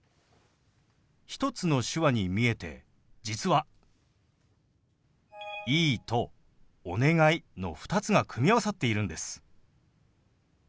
１つの手話に見えて実は「いい」と「お願い」の２つが組み合わさっているんです。